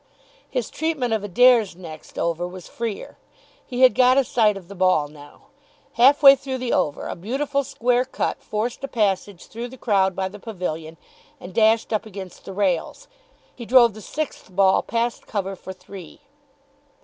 His treatment of Adair's next over was freer. He had got a sight of the ball now. Half way through the over a beautiful square cut forced a passage through the crowd by the pavilion, and dashed up against the rails. He drove the sixth ball past cover for three.